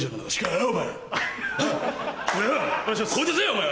お前。